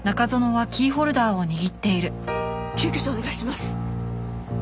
救急車をお願いします！